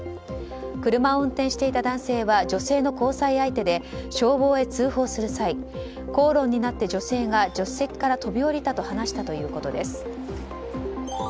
車を運転していた男性は女性の交際相手で消防へ通報する際口論になって女性が助手席から飛び降りたと話したということです。